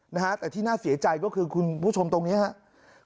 นะฮะแต่ที่น่าเสียใจก็คือคุณผู้ชมตรงนี้ครับ